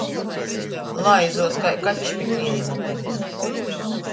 Laizuos kai kačs pi kriejuma pūda.